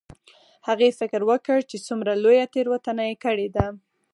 هغې فکر وکړ چې څومره لویه تیروتنه یې کړې ده